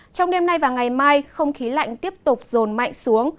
trong đêm nay và ngày mai không khí lạnh tiếp tục rồn mạnh xuống